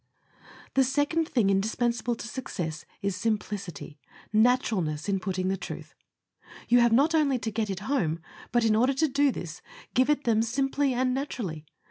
The second thing indispensible to success is simplicity: naturalness in putting the truth. You have not only to get it home, but, in order to do this, give it them simply and naturally.